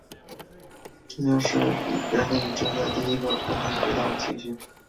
这将是人类已知的第一个共同轨道的行星。